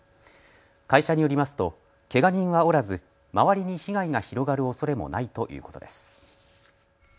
会社によりますとけが人はおらず周りに被害が広がるおそれもないということです。